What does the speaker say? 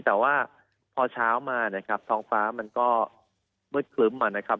แต่ว่าพอเช้ามาท้องฟ้ามันก็มืดคลึมมานะครับ